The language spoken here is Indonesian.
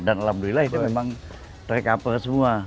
dan alhamdulillah itu memang ter cover semua